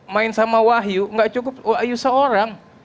main sama wahyu gak cukup wahyu seorang